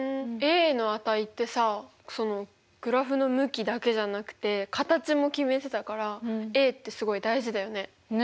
の値ってさグラフの向きだけじゃなくて形も決めてたからってすごい大事だよね。